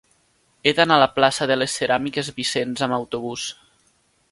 He d'anar a la plaça de les Ceràmiques Vicens amb autobús.